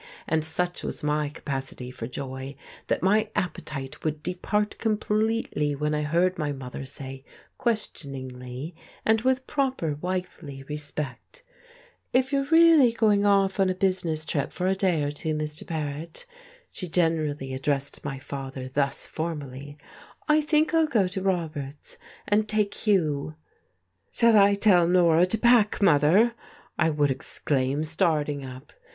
And such was my capacity for joy that my appetite would depart completely when I heard my mother say, questioningly and with proper wifely respect "If you're really going off on a business trip for a day or two, Mr. Paret" (she generally addressed my father thus formally), "I think I'll go to Robert's and take Hugh." "Shall I tell Norah to pack, mother," I would exclaim, starting up.